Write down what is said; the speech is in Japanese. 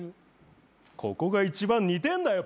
ここが一番似てんだよ！